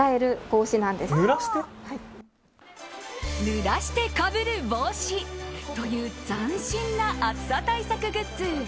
ぬらしてかぶる帽子という斬新な暑さ対策グッズ。